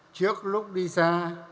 trước lúc đi xa